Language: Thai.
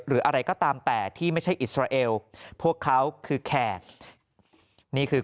หรืออะไรก็ตามแต่ที่ไม่ใช่อิสราเอลพวกเขาคือแขกนี่คือ